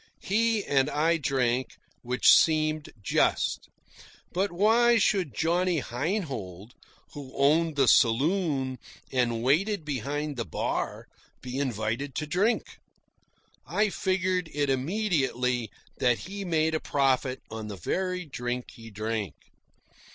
He and I drank, which seemed just; but why should Johnny Heinhold, who owned the saloon and waited behind the bar, be invited to drink? I figured it immediately that he made a profit on the very drink he drank.